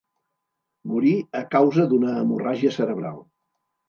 Morí a causa d'una hemorràgia cerebral.